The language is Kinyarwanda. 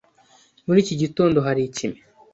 Muri iki gitondo hari ikime.